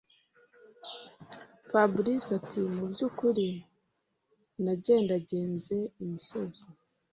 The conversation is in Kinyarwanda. fabric ati”mubyukuri nagendagenze imisozi,